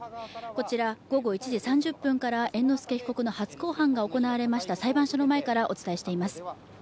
こちら、午後１時３０分から猿之助被告の初公判が行われました裁判所の前からお伝えしています。